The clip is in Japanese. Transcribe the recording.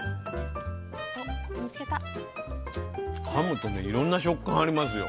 かむといろんな食感ありますよ。